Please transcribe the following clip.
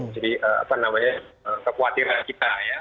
jadi apa namanya kekhawatiran kita ya